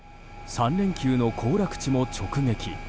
３連休の行楽地も直撃。